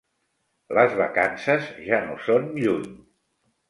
Les vacances ja no són lluny.